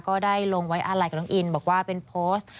ก็ได้ลงไว้อาลัยกับน้องอินบอกว่าเป็นโพสต์